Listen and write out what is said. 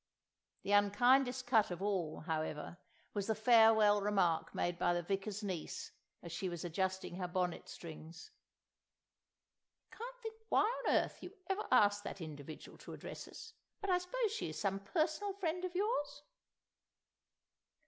The unkindest cut of all, however, was the farewell remark made by the Vicar's niece, as she was adjusting her bonnet strings— "I can't think why on earth you ever asked that individual to address us; but I suppose she is some personal friend of yours?"